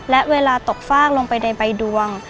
และเวลาตกฟากลงไปในใบดวง